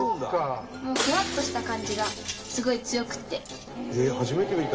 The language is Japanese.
フワッとした感じがすごい強くって。